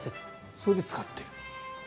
それで使っている。